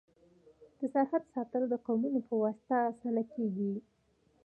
د سرحد ساتل د قومونو په واسطه اسانه کيږي.